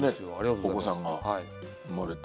お子さんが生まれて。